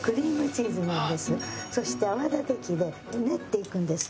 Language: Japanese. そして泡立て器で練っていくんですね。